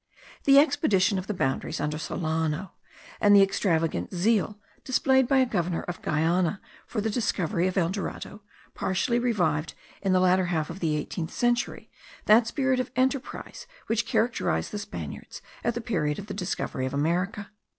The expedition of the boundaries under Solano, and the extravagant zeal displayed by a governor of Guiana for the discovery of El Dorado, partially revived in the latter half of the eighteenth century that spirit of enterprise which characterised the Spaniards at the period of the discovery of America.